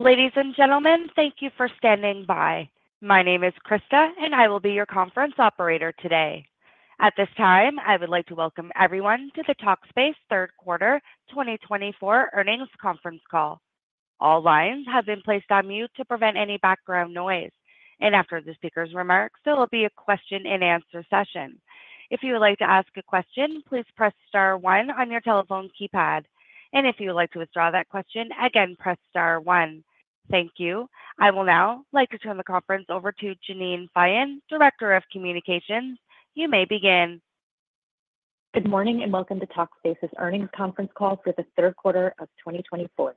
Ladies and gentlemen, thank you for standing by. My name is Krista, and I will be your conference operator today. At this time, I would like to welcome everyone to the Talkspace Third Quarter 2024 earnings conference call. All lines have been placed on mute to prevent any background noise, and after the speaker's remarks, there will be a question-and-answer session. If you would like to ask a question, please press star one on your telephone keypad. And if you would like to withdraw that question, again, press star one. Thank you. I will now like to turn the conference over to Jeannine Feyen, Director of Communications. You may begin. Good morning and welcome to Talkspace's earnings conference call for the third quarter of 2024.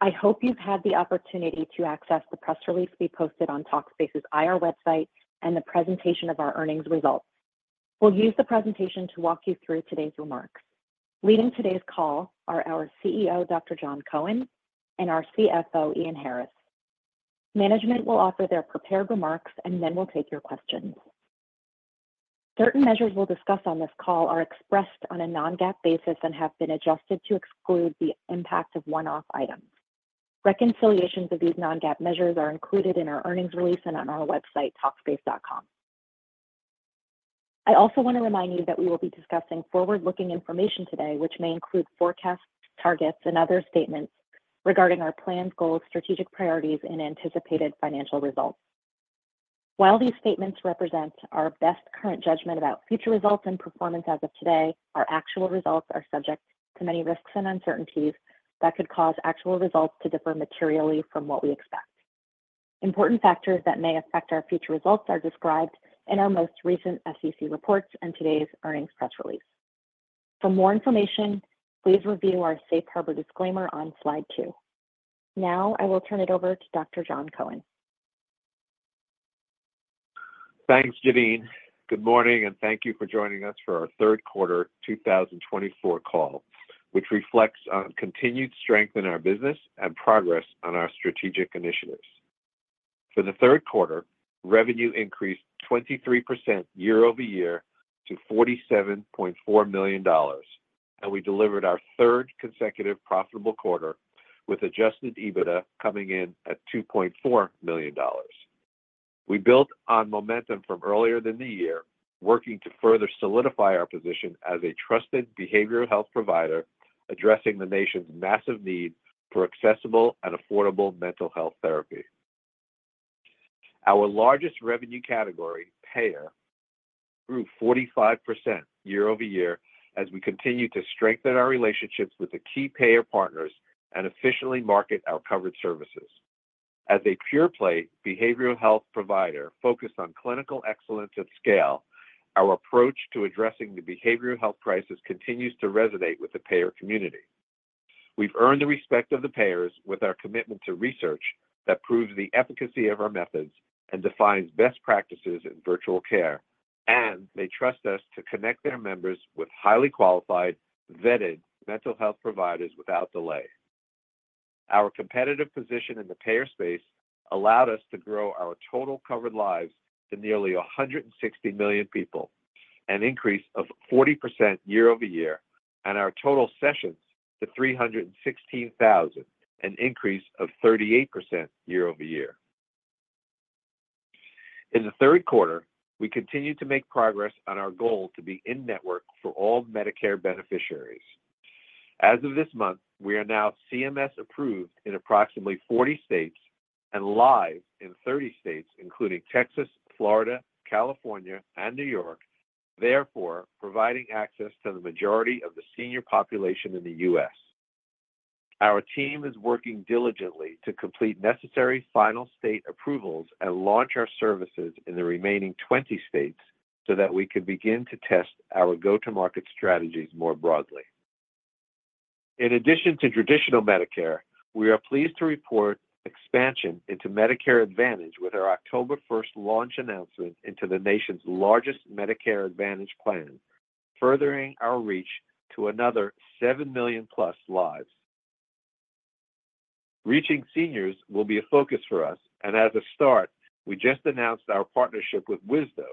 I hope you've had the opportunity to access the press release we posted on Talkspace's IR website and the presentation of our earnings results. We'll use the presentation to walk you through today's remarks. Leading today's call are our CEO, Dr. Jon Cohen, and our CFO, Ian Harris. Management will offer their prepared remarks, and then we'll take your questions. Certain measures we'll discuss on this call are expressed on a non-GAAP basis and have been adjusted to exclude the impact of one-off items. Reconciliations of these non-GAAP measures are included in our earnings release and on our website, talkspace.com. I also want to remind you that we will be discussing forward-looking information today, which may include forecasts, targets, and other statements regarding our planned goals, strategic priorities, and anticipated financial results. While these statements represent our best current judgment about future results and performance as of today, our actual results are subject to many risks and uncertainties that could cause actual results to differ materially from what we expect. Important factors that may affect our future results are described in our most recent SEC reports and today's earnings press release. For more information, please review our safe harbor disclaimer on slide two. Now, I will turn it over to Dr. Jon Cohen. Thanks, Jeannine. Good morning, and thank you for joining us for our Third Quarter 2024 call, which reflects on continued strength in our business and progress on our strategic initiatives. For the third quarter, revenue increased 23% year over year to $47.4 million, and we delivered our third consecutive profitable quarter with Adjusted EBITDA coming in at $2.4 million. We built on momentum from earlier in the year, working to further solidify our position as a trusted behavioral health provider addressing the nation's massive need for accessible and affordable mental health therapy. Our largest revenue category, Payer, grew 45% year over year as we continue to strengthen our relationships with the key payer partners and efficiently market our covered services. As a pure-play behavioral health provider focused on clinical excellence at scale, our approach to addressing the behavioral health crisis continues to resonate with the Payer community. We've earned the respect of the payers with our commitment to research that proves the efficacy of our methods and defines best practices in virtual care, and they trust us to connect their members with highly qualified, vetted mental health providers without delay. Our competitive position in the payer space allowed us to grow our total covered lives to nearly 160 million people, an increase of 40% year over year, and our total sessions to 316,000, an increase of 38% year over year. In the third quarter, we continue to make progress on our goal to be in-network for all Medicare beneficiaries. As of this month, we are now CMS-approved in approximately 40 states and live in 30 states, including Texas, Florida, California, and New York, therefore providing access to the majority of the senior population in the U.S. Our team is working diligently to complete necessary final state approvals and launch our services in the remaining 20 states so that we can begin to test our go-to-market strategies more broadly. In addition to traditional Medicare, we are pleased to report expansion into Medicare Advantage with our October 1st launch announcement into the nation's largest Medicare Advantage plan, furthering our reach to another 7 million-plus lives. Reaching seniors will be a focus for us, and as a start, we just announced our partnership with Wisdo,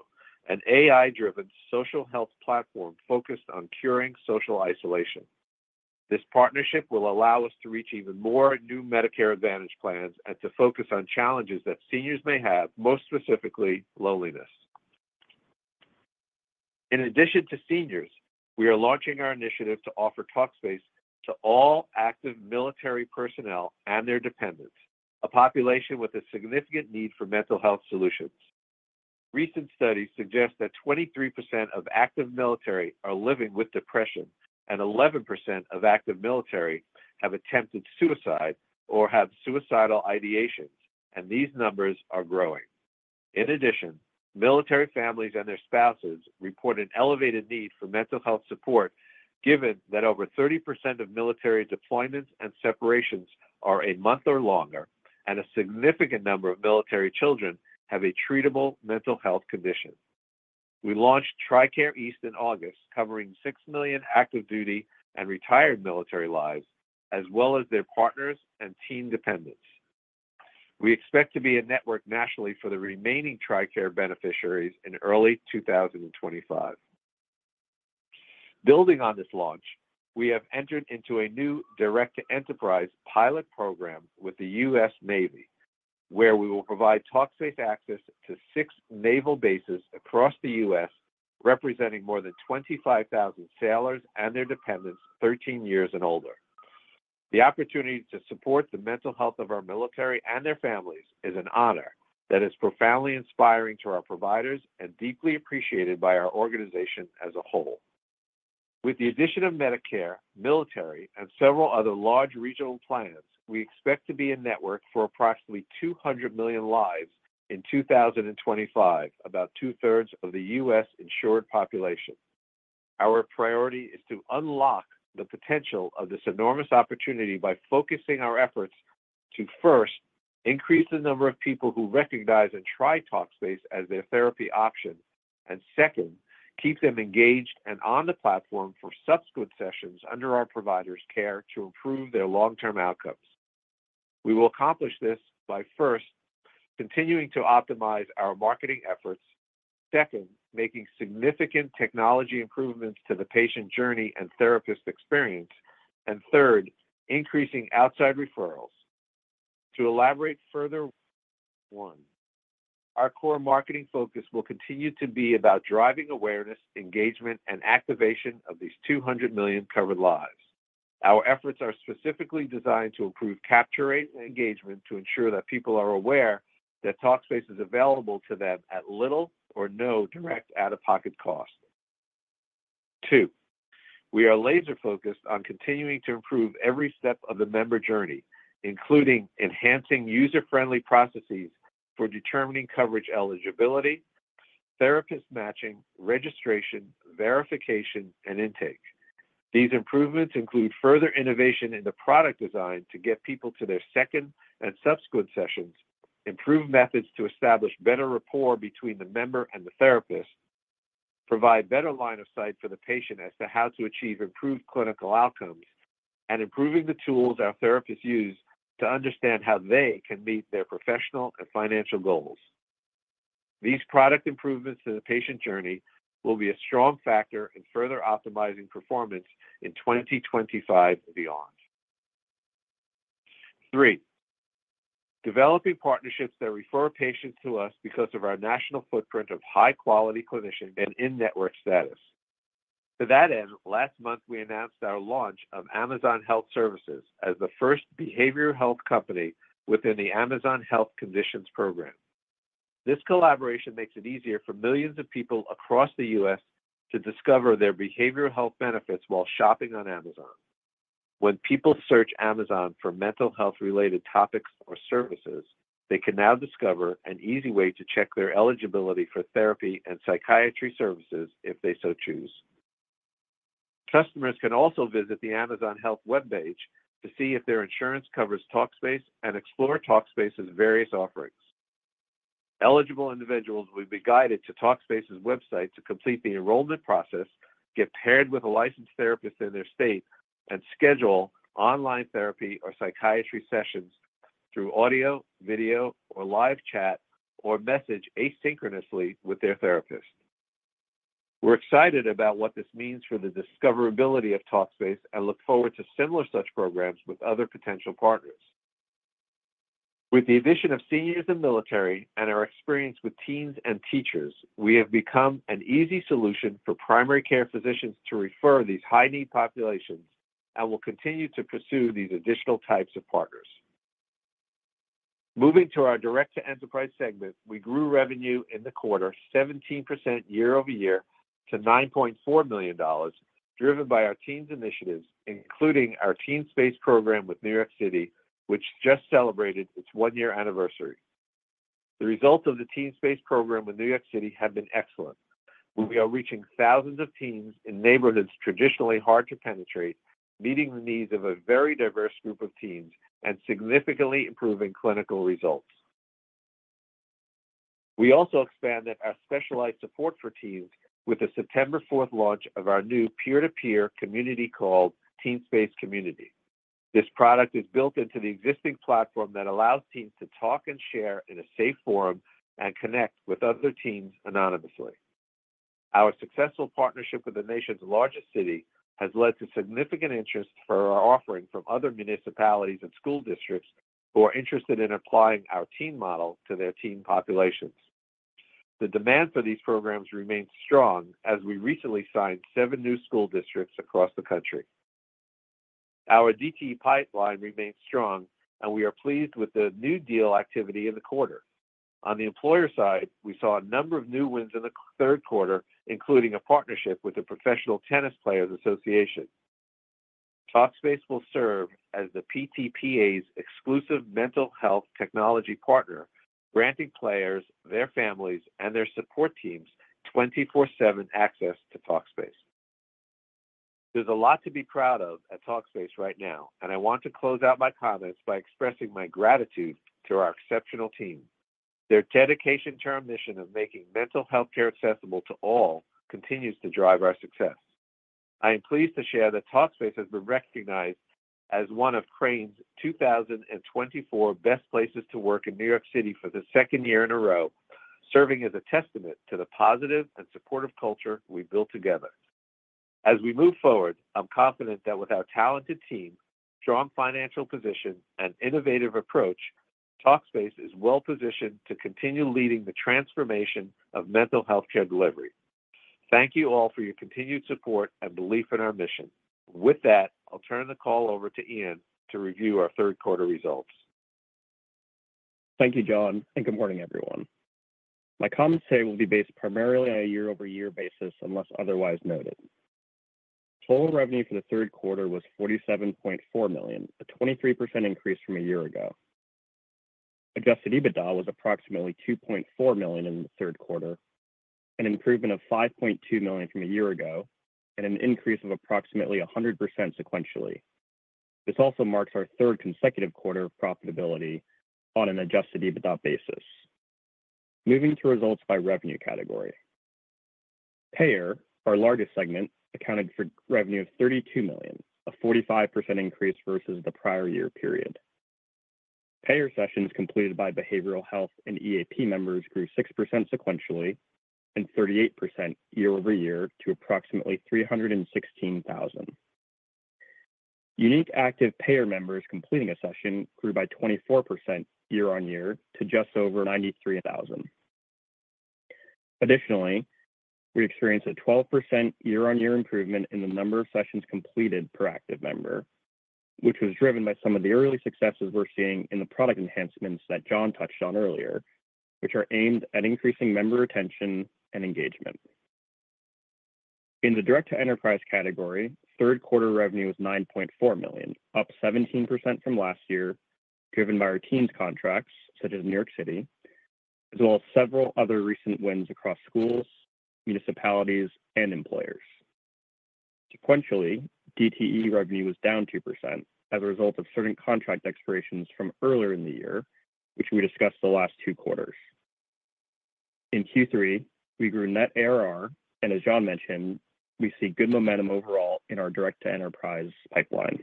an AI-driven social health platform focused on curing social isolation. This partnership will allow us to reach even more new Medicare Advantage plans and to focus on challenges that seniors may have, most specifically loneliness. In addition to seniors, we are launching our initiative to offer Talkspace to all active military personnel and their dependents, a population with a significant need for mental health solutions. Recent studies suggest that 23% of active military are living with depression, and 11% of active military have attempted suicide or have suicidal ideations, and these numbers are growing. In addition, military families and their spouses report an elevated need for mental health support, given that over 30% of military deployments and separations are a month or longer, and a significant number of military children have a treatable mental health condition. We launched Tricare East in August, covering 6 million active duty and retired military lives, as well as their partners and teen dependents. We expect to be a network nationally for the remaining Tricare beneficiaries in early 2025. Building on this launch, we have entered into a new direct-to-enterprise pilot program with the U.S. Navy, where we will provide Talkspace access to six naval bases across the U.S., representing more than 25,000 sailors and their dependents 13 years and older. The opportunity to support the mental health of our military and their families is an honor that is profoundly inspiring to our providers and deeply appreciated by our organization as a whole. With the addition of Medicare, military, and several other large regional plans, we expect to be a network for approximately 200 million lives in 2025, about two-thirds of the U.S. insured population. Our priority is to unlock the potential of this enormous opportunity by focusing our efforts to, first, increase the number of people who recognize and try Talkspace as their therapy option, and second, keep them engaged and on the platform for subsequent sessions under our provider's care to improve their long-term outcomes. We will accomplish this by, first, continuing to optimize our marketing efforts, second, making significant technology improvements to the patient journey and therapist experience, and third, increasing outside referrals. To elaborate further, our core marketing focus will continue to be about driving awareness, engagement, and activation of these 200 million covered lives. Our efforts are specifically designed to improve capture rate and engagement to ensure that people are aware that Talkspace is available to them at little or no direct out-of-pocket cost. Two, we are laser-focused on continuing to improve every step of the member journey, including enhancing user-friendly processes for determining coverage eligibility, therapist matching, registration, verification, and intake. These improvements include further innovation in the product design to get people to their second and subsequent sessions, improved methods to establish better rapport between the member and the therapist, provide better line of sight for the patient as to how to achieve improved clinical outcomes, and improving the tools our therapists use to understand how they can meet their professional and financial goals. These product improvements to the patient journey will be a strong factor in further optimizing performance in 2025 and beyond. Three, developing partnerships that refer patients to us because of our national footprint of high-quality clinicians and in-network status. To that end, last month, we announced our launch of Amazon Health Conditions as the first behavioral health company within the Amazon Health Conditions program. This collaboration makes it easier for millions of people across the U.S. to discover their behavioral health benefits while shopping on Amazon. When people search Amazon for mental health-related topics or services, they can now discover an easy way to check their eligibility for therapy and psychiatry services if they so choose. Customers can also visit the Amazon Health web page to see if their insurance covers Talkspace and explore Talkspace's various offerings. Eligible individuals will be guided to Talkspace's website to complete the enrollment process, get paired with a licensed therapist in their state, and schedule online therapy or psychiatry sessions through audio, video, or live chat, or message asynchronously with their therapist. We're excited about what this means for the discoverability of Talkspace and look forward to similar such programs with other potential partners. With the addition of seniors in the military and our experience with teens and teachers, we have become an easy solution for primary care physicians to refer these high-need populations and will continue to pursue these additional types of partners. Moving to our direct-to-enterprise segment, we grew revenue in the quarter 17% year over year to $9.4 million, driven by our teens initiatives, including our TeenSpace program with New York City, which just celebrated its one-year anniversary. The results of the TeenSpace program with New York City have been excellent. We are reaching thousands of teens in neighborhoods traditionally hard to penetrate, meeting the needs of a very diverse group of teens and significantly improving clinical results. We also expanded our specialized support for teens with the September 4th launch of our new peer-to-peer community called TeenSpace Community. This product is built into the existing platform that allows teens to talk and share in a safe forum and connect with other teens anonymously. Our successful partnership with the nation's largest city has led to significant interest for our offering from other municipalities and school districts who are interested in applying our teen model to their teen populations. The demand for these programs remains strong as we recently signed seven new school districts across the country. Our DTE pipeline remains strong, and we are pleased with the new deal activity in the quarter. On the employer side, we saw a number of new wins in the third quarter, including a partnership with the Professional Tennis Players Association. Talkspace will serve as the PTPA's exclusive mental health technology partner, granting players, their families, and their support teams 24/7 access to Talkspace. There's a lot to be proud of at Talkspace right now, and I want to close out my comments by expressing my gratitude to our exceptional team. Their dedication to our mission of making mental healthcare accessible to all continues to drive our success. I am pleased to share that Talkspace has been recognized as one of Crain's 2024 Best Places to Work in New York City for the second year in a row, serving as a testament to the positive and supportive culture we built together. As we move forward, I'm confident that with our talented team, strong financial position, and innovative approach, Talkspace is well-positioned to continue leading the transformation of mental healthcare delivery. Thank you all for your continued support and belief in our mission. With that, I'll turn the call over to Ian to review our third quarter results. Thank you, Jon, and good morning, everyone. My comments today will be based primarily on a year-over-year basis unless otherwise noted. Total revenue for the third quarter was $47.4 million, a 23% increase from a year ago. Adjusted EBITDA was approximately $2.4 million in the third quarter, an improvement of $5.2 million from a year ago, and an increase of approximately 100% sequentially. This also marks our third consecutive quarter of profitability on an adjusted EBITDA basis. Moving to results by revenue category. Payer, our largest segment, accounted for revenue of $32 million, a 45% increase versus the prior year period. Payer sessions completed by behavioral health and EAP members grew 6% sequentially and 38% year over year to approximately 316,000. Unique active payer members completing a session grew by 24% year on year to just over 93,000. Additionally, we experienced a 12% year-on-year improvement in the number of sessions completed per active member, which was driven by some of the early successes we're seeing in the product enhancements that Jon touched on earlier, which are aimed at increasing member retention and engagement. In the direct-to-enterprise category, third quarter revenue was $9.4 million, up 17% from last year, driven by our teens contracts, such as New York City, as well as several other recent wins across schools, municipalities, and employers. Sequentially, DTE revenue was down 2% as a result of certain contract expirations from earlier in the year, which we discussed the last two quarters. In Q3, we grew net ARR, and as Jon mentioned, we see good momentum overall in our direct-to-enterprise pipeline.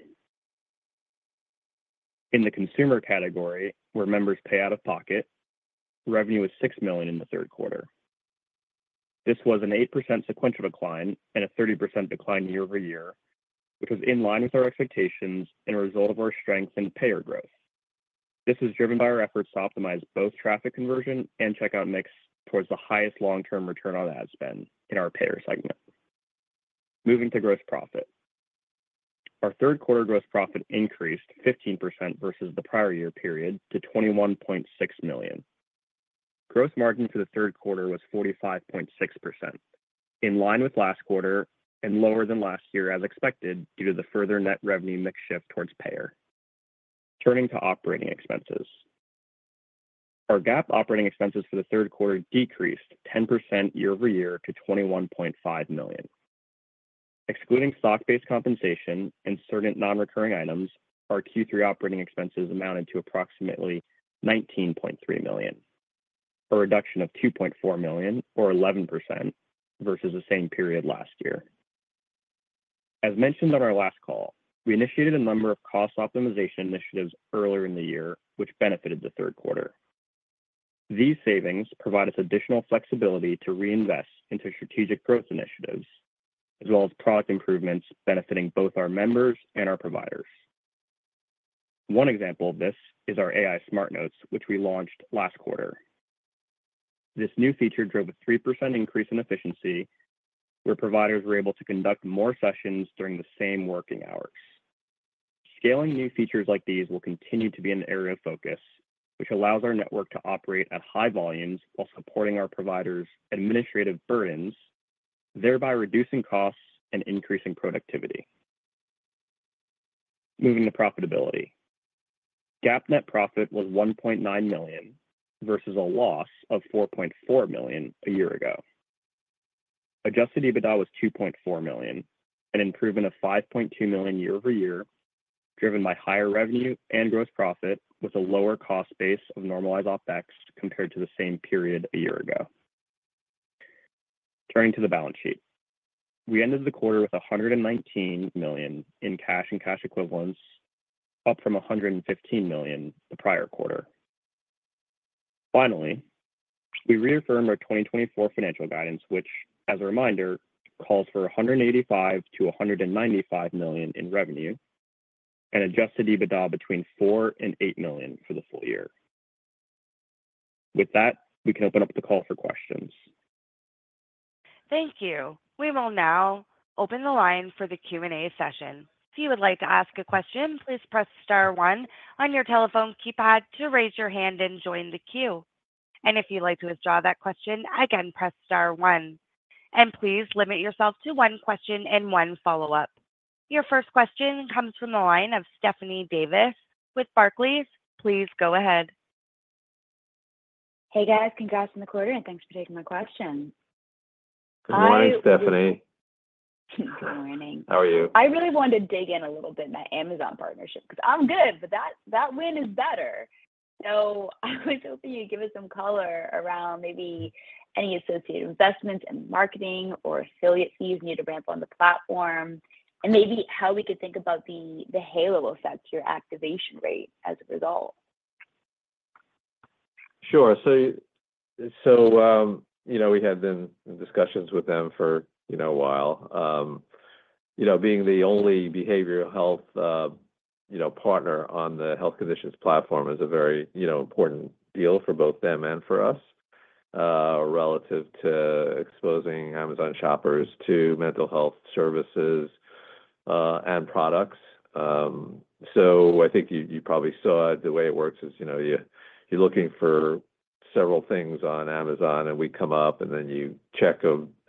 In the consumer category, where members pay out of pocket, revenue was $6 million in the third quarter. This was an 8% sequential decline and a 30% decline year over year, which was in line with our expectations and a result of our strength in payer growth. This was driven by our efforts to optimize both traffic conversion and checkout mix towards the highest long-term return on ad spend in our payer segment. Moving to gross profit. Our third quarter gross profit increased 15% versus the prior year period to $21.6 million. Gross margin for the third quarter was 45.6%, in line with last quarter and lower than last year as expected due to the further net revenue mix shift towards payer. Turning to operating expenses. Our GAAP operating expenses for the third quarter decreased 10% year over year to $21.5 million. Excluding stock-based compensation and certain non-recurring items, our Q3 operating expenses amounted to approximately $19.3 million, a reduction of $2.4 million, or 11%, versus the same period last year. As mentioned on our last call, we initiated a number of cost optimization initiatives earlier in the year, which benefited the third quarter. These savings provide us additional flexibility to reinvest into strategic growth initiatives, as well as product improvements benefiting both our members and our providers. One example of this is our AI Smart Notes, which we launched last quarter. This new feature drove a 3% increase in efficiency, where providers were able to conduct more sessions during the same working hours. Scaling new features like these will continue to be an area of focus, which allows our network to operate at high volumes while supporting our providers' administrative burdens, thereby reducing costs and increasing productivity. Moving to profitability. GAAP net profit was $1.9 million versus a loss of $4.4 million a year ago. Adjusted EBITDA was $2.4 million, an improvement of $5.2 million year over year, driven by higher revenue and gross profit with a lower cost base of normalized Opex compared to the same period a year ago. Turning to the balance sheet. We ended the quarter with $119 million in cash and cash equivalents, up from $115 million the prior quarter. Finally, we reaffirmed our 2024 financial guidance, which, as a reminder, calls for $185-$195 million in revenue and adjusted EBITDA between $4 and $8 million for the full year. With that, we can open up the call for questions. Thank you. We will now open the line for the Q&A session. If you would like to ask a question, please press star one on your telephone keypad to raise your hand and join the queue. And if you'd like to withdraw that question, again, press star one. And please limit yourself to one question and one follow-up. Your first question comes from the line of Stephanie Davis with Barclays. Please go ahead. Hey, guys. Congrats on the quarter, and thanks for taking my question. Good morning, Stephanie. Good morning. How are you? I really wanted to dig in a little bit in that Amazon partnership because I'm glad, but that win is better, so I was hoping you'd give us some color around maybe any associated investments and marketing or affiliate fees needed to ramp on the platform, and maybe how we could think about the halo effect to your activation rate as a result. Sure. So we had been in discussions with them for a while. Being the only behavioral health partner on the health conditions platform is a very important deal for both them and for us relative to exposing Amazon shoppers to mental health services and products. So I think you probably saw the way it works is you're looking for several things on Amazon, and we come up, and then you check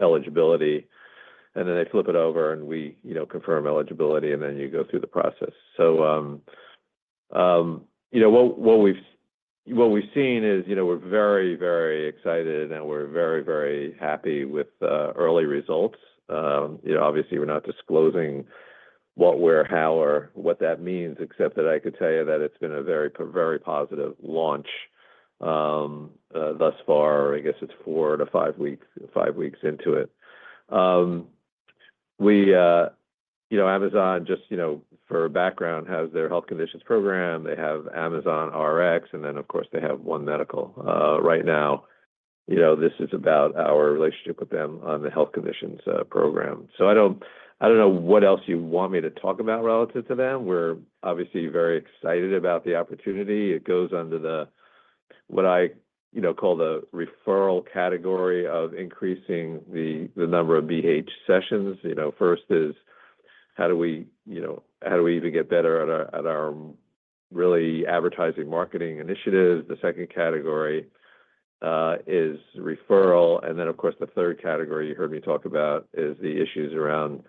eligibility, and then they flip it over, and we confirm eligibility, and then you go through the process. So what we've seen is we're very, very excited, and we're very, very happy with early results. Obviously, we're not disclosing what we're or how or what that means, except that I could tell you that it's been a very, very positive launch thus far. I guess it's four to five weeks into it. Amazon, just for background, has their health conditions program. They have Amazon Rx, and then, of course, they have One Medical right now. This is about our relationship with them on the health conditions program. So I don't know what else you want me to talk about relative to them. We're obviously very excited about the opportunity. It goes under what I call the referral category of increasing the number of BH sessions. First is how do we even get better at our really advertising marketing initiatives. The second category is referral. And then, of course, the third category you heard me talk about is the issues around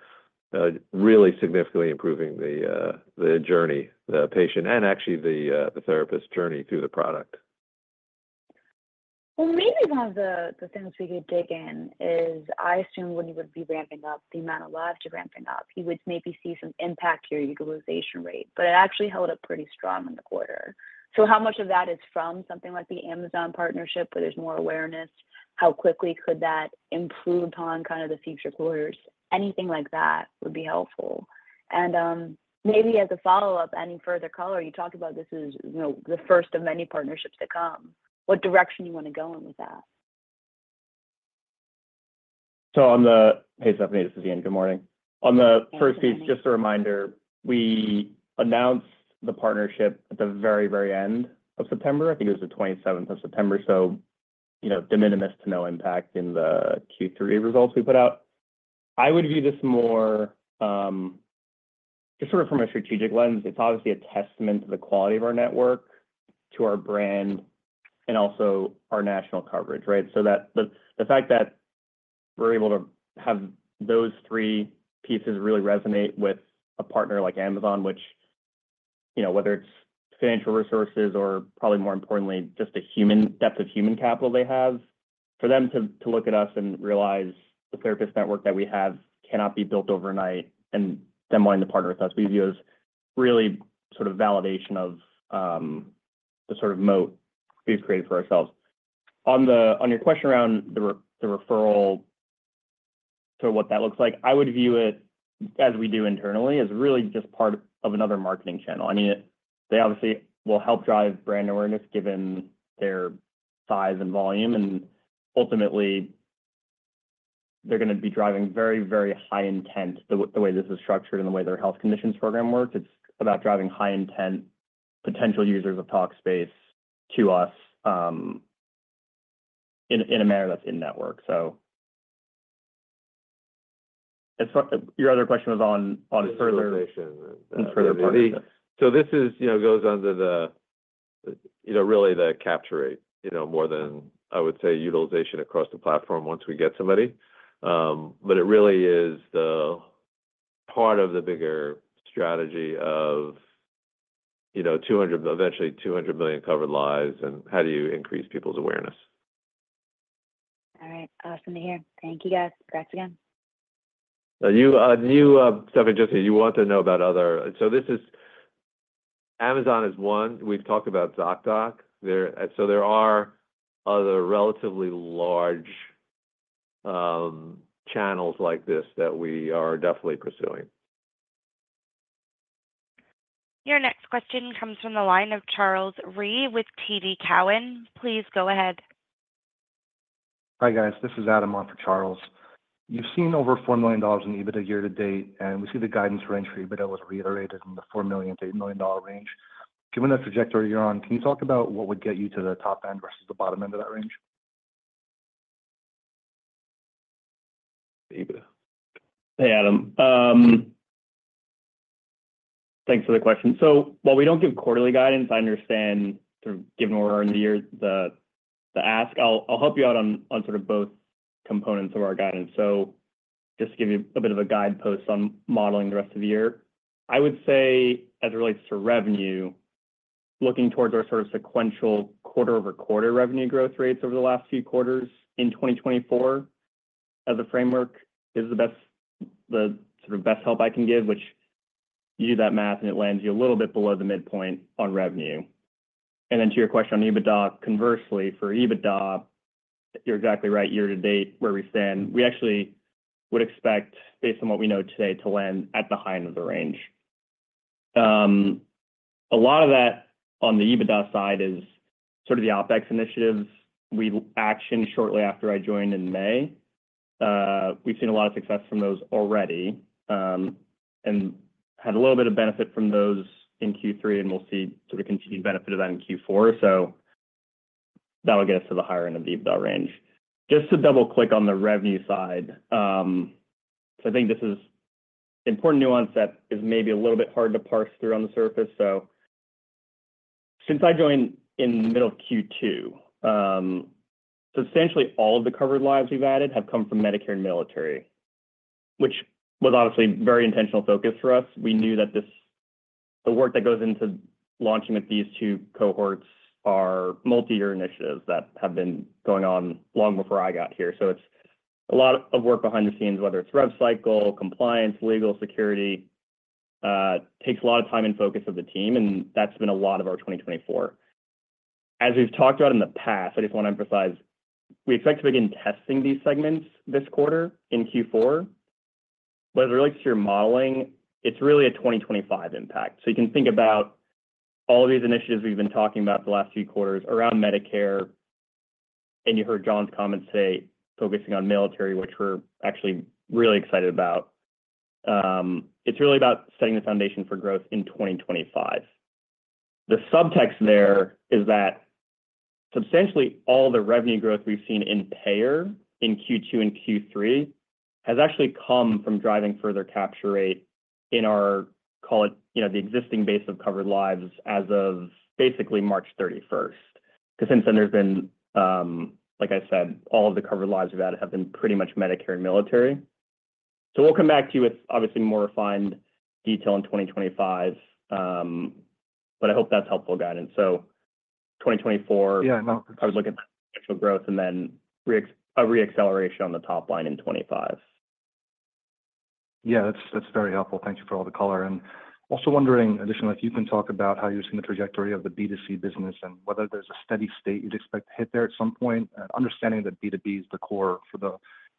really significantly improving the journey, the patient, and actually the therapist journey through the product. Well, maybe one of the things we could dig in is I assume when you would be ramping up the amount of lives you're ramping up, you would maybe see some impact to your utilization rate, but it actually held up pretty strong in the quarter. So how much of that is from something like the Amazon partnership where there's more awareness? How quickly could that improve upon kind of the future quarters? Anything like that would be helpful. And maybe as a follow-up, any further color? You talked about this is the first of many partnerships to come. What direction do you want to go in with that? Hey, Stephanie, this is Ian. Good morning. On the first piece, just a reminder, we announced the partnership at the very, very end of September. I think it was the 27th of September, so de minimis to no impact in the Q3 results we put out. I would view this more just sort of from a strategic lens. It's obviously a testament to the quality of our network, to our brand, and also our national coverage, right? The fact that we're able to have those three pieces really resonate with a partner like Amazon, which, whether it's financial resources or probably more importantly, just the depth of human capital they have, for them to look at us and realize the therapist network that we have cannot be built overnight and then wanting to partner with us, we view as really sort of validation of the sort of moat we've created for ourselves. On your question around the referral, so what that looks like, I would view it, as we do internally, as really just part of another marketing channel. I mean, they obviously will help drive brand awareness given their size and volume, and ultimately, they're going to be driving very, very high intent, the way this is structured and the way their Health Conditions program works. It's about driving high intent potential users of Talkspace to us in a manner that's in-network, so. Your other question was on further. Utilization and further marketing. So this goes under really the capture rate, more than, I would say, utilization across the platform once we get somebody. But it really is part of the bigger strategy of eventually 200 million covered lives, and how do you increase people's awareness? All right. Awesome to hear. Thank you, guys. Congrats again. Stephanie, just so you know about others. So this is Amazon as one. We've talked about Zocdoc. So there are other relatively large channels like this that we are definitely pursuing. Your next question comes from the line of Charles Rhyee with TD Cowen. Please go ahead. Hi, guys. This is Adam off of Charles. You've seen over $4 million in EBITDA year to date, and we see the guidance range for EBITDA was reiterated in the $4 million-$8 million range. Given the trajectory you're on, can you talk about what would get you to the top end versus the bottom end of that range? Hey, Adam. Thanks for the question, so while we don't give quarterly guidance, I understand, given where we're in the year, the ask. I'll help you out on sort of both components of our guidance, so just to give you a bit of a guidepost on modeling the rest of the year, I would say, as it relates to revenue, looking towards our sort of sequential quarter-over-quarter revenue growth rates over the last few quarters in 2024 as a framework is the sort of best help I can give, which you do that math, and it lands you a little bit below the midpoint on revenue, and then to your question on EBITDA, conversely, for EBITDA, you're exactly right year to date where we stand. We actually would expect, based on what we know today, to land at the high end of the range. A lot of that on the EBITDA side is sort of the OpEx initiatives. We've actioned shortly after I joined in May. We've seen a lot of success from those already and had a little bit of benefit from those in Q3, and we'll see sort of continued benefit of that in Q4. So that would get us to the higher end of the EBITDA range. Just to double-click on the revenue side, so I think this is an important nuance that is maybe a little bit hard to parse through on the surface. So since I joined in the middle of Q2, substantially all of the covered lives we've added have come from Medicare and military, which was obviously a very intentional focus for us. We knew that the work that goes into launching with these two cohorts are multi-year initiatives that have been going on long before I got here. So it's a lot of work behind the scenes, whether it's rev cycle, compliance, legal, security. It takes a lot of time and focus of the team, and that's been a lot of our 2024. As we've talked about in the past, I just want to emphasize we expect to begin testing these segments this quarter in Q4. But as it relates to your modeling, it's really a 2025 impact. So you can think about all of these initiatives we've been talking about the last few quarters around Medicare, and you heard Jon's comments say focusing on military, which we're actually really excited about. It's really about setting the foundation for growth in 2025. The subtext there is that substantially all the revenue growth we've seen in payer in Q2 and Q3 has actually come from driving further capture rate in our, call it the existing base of covered lives as of basically March 31st. Because since then, there's been, like I said, all of the covered lives we've added have been pretty much Medicare and military. So we'll come back to you with obviously more refined detail in 2025, but I hope that's helpful guidance. So 2024, I was looking at growth and then a reacceleration on the top line in 2025. Yeah, that's very helpful. Thank you for all the color and also wondering additionally if you can talk about how you're seeing the trajectory of the B2C business and whether there's a steady state you'd expect to hit there at some point, understanding that B2B is the core for the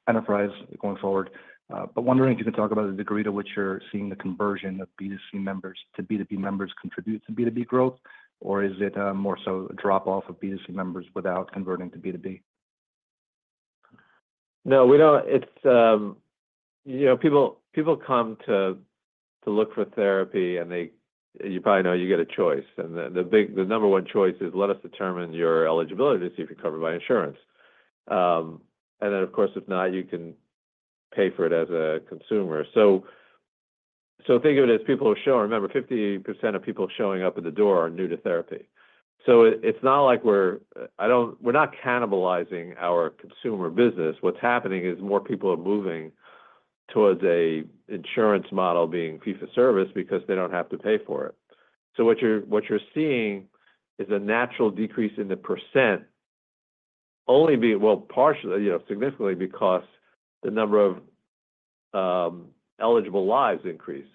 enterprise going forward, but wondering if you can talk about the degree to which you're seeing the conversion of B2C members to B2B members contribute to B2B growth, or is it more so a drop-off of B2C members without converting to B2B? No, we don't. People come to look for therapy, and you probably know you get a choice. And the number one choice is, "Let us determine your eligibility to see if you're covered by insurance." And then, of course, if not, you can pay for it as a consumer. So think of it as people are showing, remember, 50% of people showing up at the door are new to therapy. So it's not like we're not cannibalizing our consumer business. What's happening is more people are moving towards an insurance model being fee-for-service because they don't have to pay for it. So what you're seeing is a natural decrease in the percent, only being, well, significant because the number of eligible lives increased.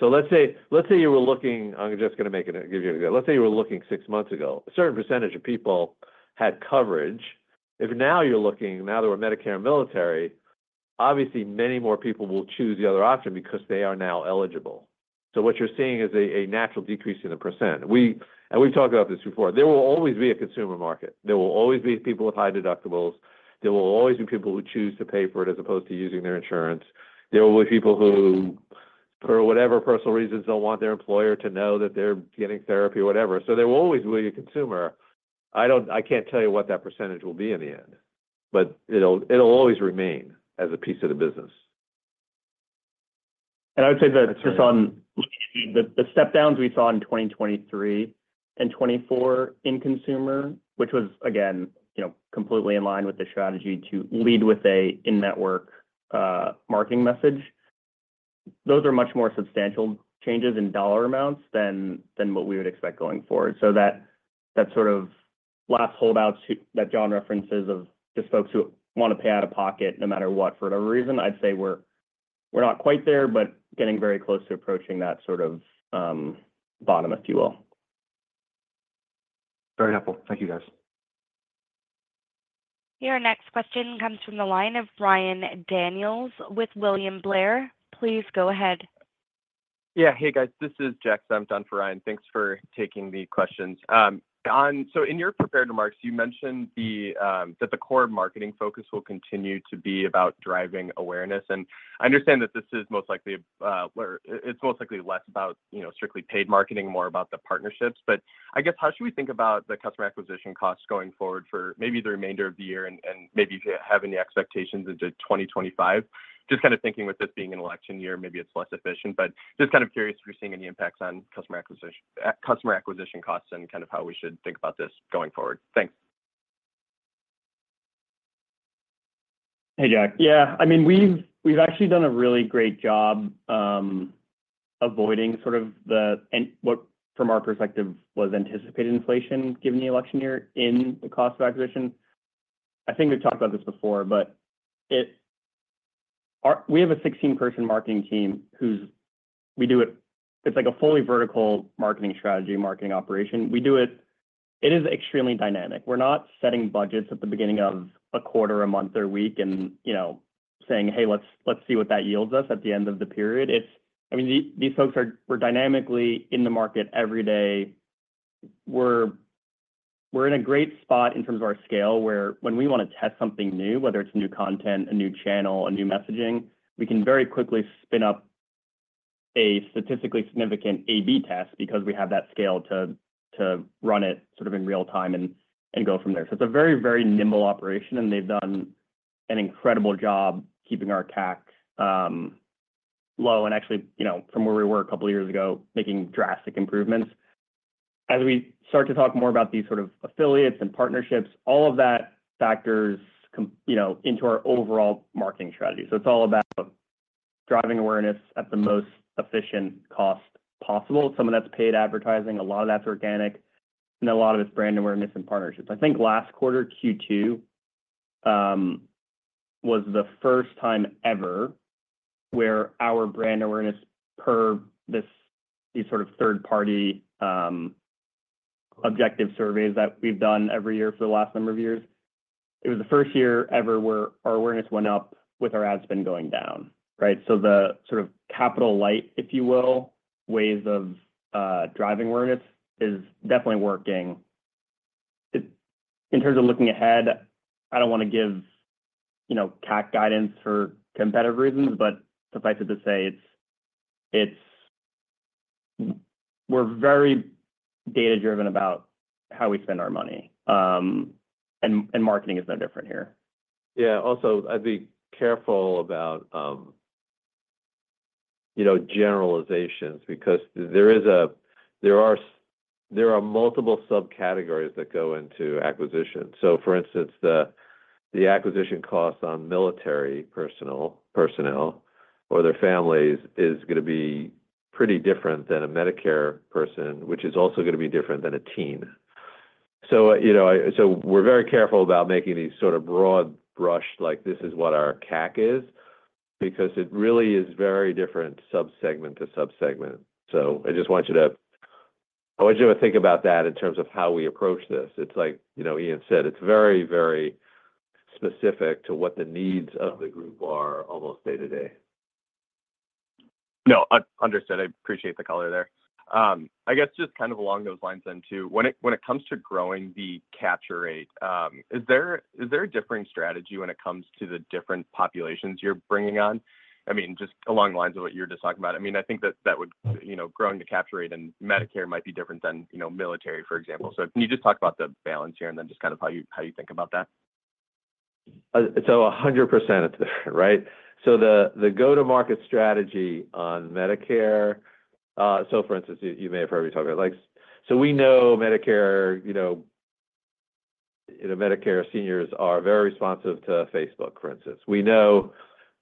So let's say you were looking, I'm just going to give you an example. Let's say you were looking six months ago. A certain percentage of people had coverage. If now you're looking, now there were Medicare and military, obviously many more people will choose the other option because they are now eligible. So what you're seeing is a natural decrease in the percent. And we've talked about this before. There will always be a consumer market. There will always be people with high deductibles. There will always be people who choose to pay for it as opposed to using their insurance. There will be people who, for whatever personal reasons, don't want their employer to know that they're getting therapy or whatever. So there will always be a consumer. I can't tell you what that percentage will be in the end, but it'll always remain as a piece of the business. And I would say that just on the stepdowns we saw in 2023 and 2024 in consumer, which was, again, completely in line with the strategy to lead with an in-network marketing message, those are much more substantial changes in dollar amounts than what we would expect going forward. So that sort of last holdouts that Jon references of just folks who want to pay out of pocket no matter what for whatever reason, I'd say we're not quite there, but getting very close to approaching that sort of bottom, if you will. Very helpful. Thank you, guys. Your next question comes from the line of Ryan Daniels with William Blair. Please go ahead. Yeah. Hey, guys. This is Jack, on for Ryan. Thanks for taking the questions so in your prepared remarks, you mentioned that the core marketing focus will continue to be about driving awareness and I understand that this is most likely, it's most likely less about strictly paid marketing, more about the partnerships but I guess, how should we think about the customer acquisition costs going forward for maybe the remainder of the year and maybe if you have any expectations into 2025? Just kind of thinking with this being an election year, maybe it's less efficient but just kind of curious if you're seeing any impacts on customer acquisition costs and kind of how we should think about this going forward. Thanks. Hey, Jack. Yeah. I mean, we've actually done a really great job avoiding sort of what, from our perspective, was anticipated inflation given the election year in the cost of acquisition. I think we've talked about this before, but we have a 16-person marketing team who's—we do it. It's like a fully vertical marketing strategy, marketing operation. We do it. It is extremely dynamic. We're not setting budgets at the beginning of a quarter, a month, or a week and saying, "Hey, let's see what that yields us at the end of the period." I mean, these folks are dynamically in the market every day. We're in a great spot in terms of our scale where when we want to test something new, whether it's new content, a new channel, a new messaging, we can very quickly spin up a statistically significant A/B test because we have that scale to run it sort of in real time and go from there. So it's a very, very nimble operation, and they've done an incredible job keeping our CAC low and actually, from where we were a couple of years ago, making drastic improvements. As we start to talk more about these sort of affiliates and partnerships, all of that factors into our overall marketing strategy. So it's all about driving awareness at the most efficient cost possible. Some of that's paid advertising. A lot of that's organic. And then a lot of it's brand awareness and partnerships. I think last quarter, Q2, was the first time ever where our brand awareness per these sort of third-party objective surveys that we've done every year for the last number of years, it was the first year ever where our awareness went up with our ad spend going down, right? So the sort of capital light, if you will, ways of driving awareness is definitely working. In terms of looking ahead, I don't want to give CAC guidance for competitive reasons, but suffice it to say, we're very data-driven about how we spend our money, and marketing is no different here. Yeah. Also, I'd be careful about generalizations because there are multiple subcategories that go into acquisition. So, for instance, the acquisition costs on military personnel or their families is going to be pretty different than a Medicare person, which is also going to be different than a teen. So we're very careful about making these sort of broad brush, like, "This is what our CAC is," because it really is very different subsegment to subsegment. So I just want you to—I want you to think about that in terms of how we approach this. It's like Ian said, it's very, very specific to what the needs of the group are almost day to day. No, understood. I appreciate the color there. I guess just kind of along those lines then too, when it comes to growing the capture rate, is there a differing strategy when it comes to the different populations you're bringing on? I mean, just along the lines of what you were just talking about. I mean, I think that that would, growing the capture rate in Medicare might be different than military, for example. So can you just talk about the balance here and then just kind of how you think about that? So 100%, right? So the go-to-market strategy on Medicare, so, for instance, you may have heard me talk about, so we know Medicare seniors are very responsive to Facebook, for instance. We know,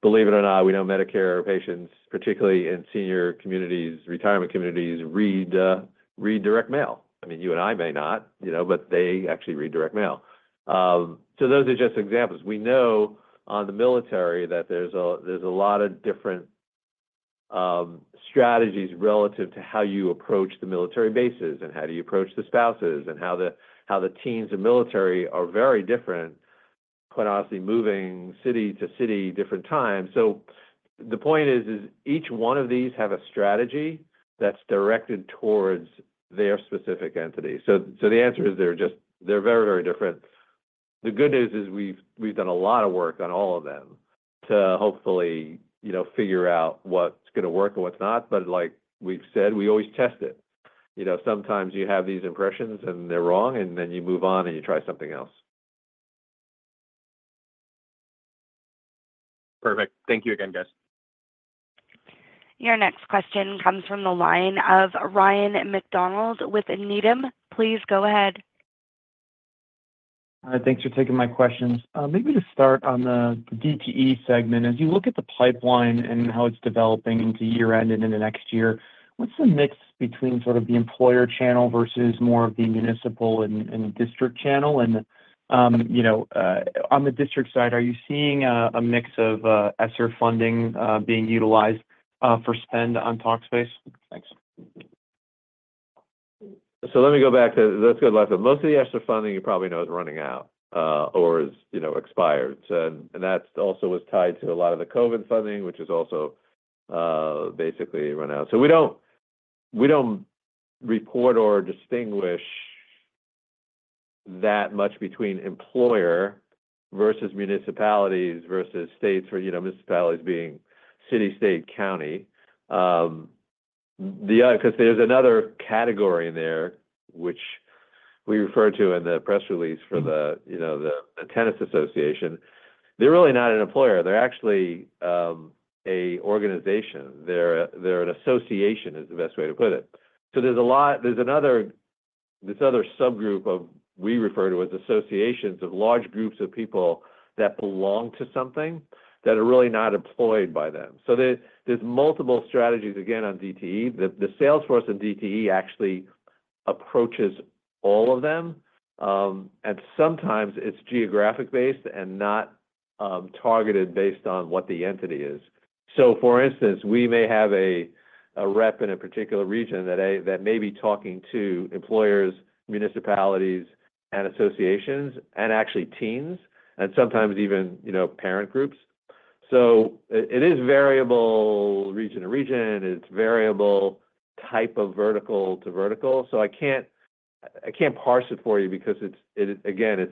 believe it or not, we know Medicare patients, particularly in senior communities, retirement communities, read direct mail. I mean, you and I may not, but they actually read direct mail. So those are just examples. We know on the military that there's a lot of different strategies relative to how you approach the military bases and how do you approach the spouses and how the teens in military are very different, quite honestly, moving city to city different times. So the point is, each one of these has a strategy that's directed towards their specific entity. So the answer is they're very, very different. The good news is we've done a lot of work on all of them to hopefully figure out what's going to work and what's not. But like we've said, we always test it. Sometimes you have these impressions and they're wrong, and then you move on and you try something else. Perfect. Thank you again, guys. Your next question comes from the line of Ryan McDonald with Needham. Please go ahead. Hi. Thanks for taking my questions. Maybe to start on the DTE segment, as you look at the pipeline and how it's developing into year-end and into next year, what's the mix between sort of the employer channel versus more of the municipal and district channel? And on the district side, are you seeing a mix of ESSER funding being utilized for spend on Talkspace? Thanks. So let me go back to, let's go to the last one. Most of the ESSER funding, you probably know, is running out or is expired. And that also was tied to a lot of the COVID funding, which has also basically run out. So we don't report or distinguish that much between employer versus municipalities versus states for municipalities being city, state, county. Because there's another category in there, which we referred to in the press release for the tennis association. They're really not an employer. They're actually an organization. They're an association, is the best way to put it. So there's another subgroup of, we refer to it as associations of large groups of people that belong to something that are really not employed by them. So there's multiple strategies, again, on DTE. The sales force and DTE actually approaches all of them. Sometimes it's geographic-based and not targeted based on what the entity is. So, for instance, we may have a rep in a particular region that may be talking to employers, municipalities, and associations, and actually teens, and sometimes even parent groups. So it is variable region to region. It's variable type of vertical to vertical. So I can't parse it for you because, again,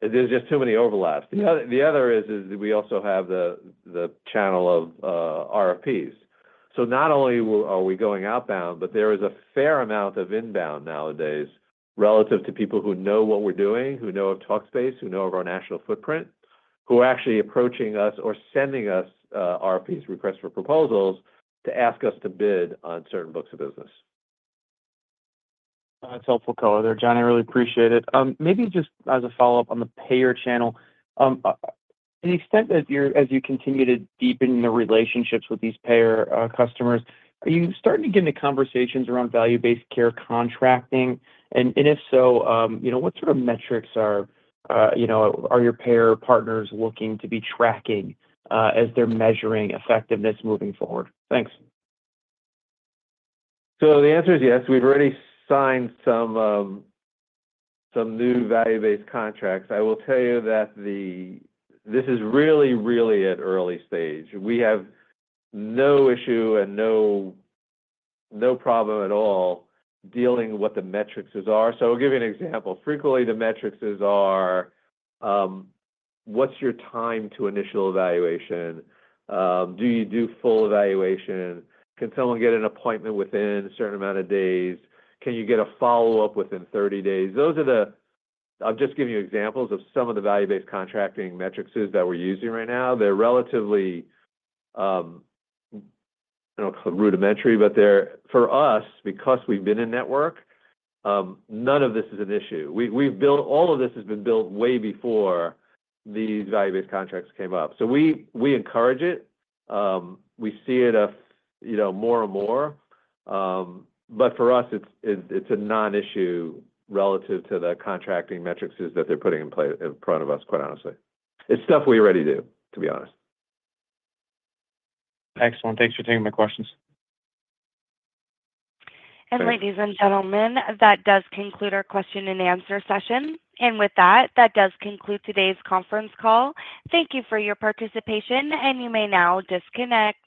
there's just too many overlaps. The other is we also have the channel of RFPs. So not only are we going outbound, but there is a fair amount of inbound nowadays relative to people who know what we're doing, who know of Talkspace, who know of our national footprint, who are actually approaching us or sending us RFPs, requests for proposals to ask us to bid on certain books of business. That's helpful, color. There, Jon, I really appreciate it. Maybe just as a follow-up on the payer channel, to the extent that you're as you continue to deepen the relationships with these payer customers, are you starting to get into conversations around value-based care contracting? And if so, what sort of metrics are your payer partners looking to be tracking as they're measuring effectiveness moving forward? Thanks. So the answer is yes. We've already signed some new value-based contracts. I will tell you that this is really, really at early stage. We have no issue and no problem at all dealing with what the metrics are. So I'll give you an example. Frequently, the metrics are: what's your time to initial evaluation? Do you do full evaluation? Can someone get an appointment within a certain amount of days? Can you get a follow-up within 30 days? I'm just giving you examples of some of the value-based contracting metrics that we're using right now. They're relatively, I don't know if it's rudimentary, but for us, because we've been in network, none of this is an issue. All of this has been built way before these value-based contracts came up. So we encourage it. We see it more and more. but for us, it's a non-issue relative to the contracting metrics that they're putting in front of us, quite honestly. It's stuff we already do, to be honest. Excellent. Thanks for taking my questions. And ladies and gentlemen, that does conclude our question-and-answer session. And with that, that does conclude today's conference call. Thank you for your participation, and you may now disconnect.